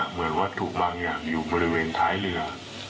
เหมือนวัตถุบางอย่างอยู่บริเวณท้ายเรือ